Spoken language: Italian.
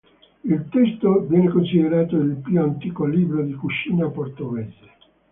Il testo viene considerato il più antico libro di cucina portoghese.